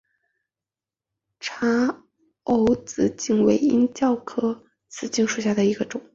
察隅紫堇为罂粟科紫堇属下的一个种。